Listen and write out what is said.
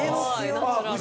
ナチュラル。